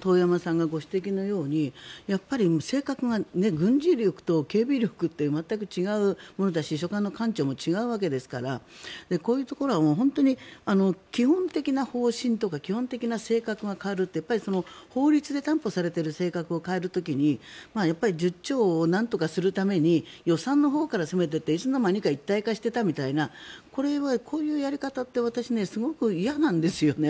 遠山さんがご指摘のように性格が軍事力と警備力という全く違うものだし所管の官庁も違うわけですからこういうところは本当に基本的な方針とか基本的な性格が変わるって法律で担保されている性格を変える時に、１０兆をなんとかするために予算のほうから攻めていっていつの間にか一体化していたみたいなこういうやり方ってすごく私、嫌なんですね。